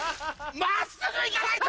真っすぐ行かないと！